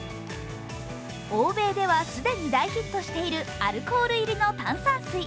欧米では既に大ヒットしているアルコール入りの炭酸水。